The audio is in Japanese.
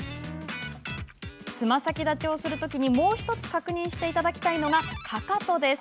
つま先立ちをしたときにもう１つ、確認してほしいのがかかとです。